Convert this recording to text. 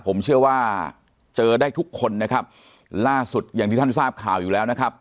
ผมเชื่อว่าเจอได้ทุกคนนะครับล่าสุดอย่างที่ท่านทราบข่าวอยู่แล้วนะครับ